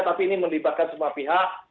tapi ini melibatkan semua pihak